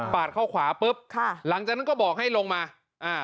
เข้าขวาปุ๊บค่ะหลังจากนั้นก็บอกให้ลงมาอ่า